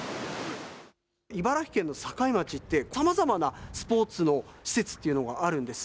茨城県の境町って、さまざまなスポーツの施設っていうのがあるんです。